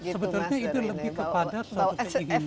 sebetulnya itu lebih kepada suatu keinginan